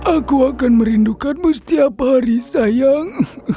aku akan merindukanmu setiap hari sayang